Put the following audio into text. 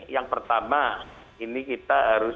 yang pertama ini kita harus